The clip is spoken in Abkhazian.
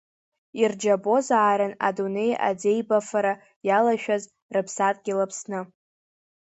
Ирџьабозаарын адунеи аӡеибафара иалашәаз рыԥсадгьыл Аԥсны…